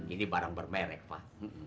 ini barang bermerek pak